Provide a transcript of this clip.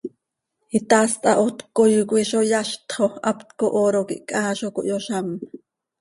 Hitaast hahoot cöcoii coi zo yazt xo haptco hooro quih chaa zo cohyozám.